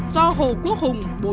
do hồ quốc hùng